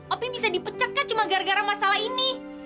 opi bisa dipecek kak cuma gara gara masalah ini